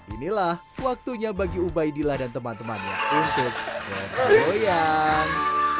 inilah waktunya bagi ubaidillah dan teman temannya untuk bergoyang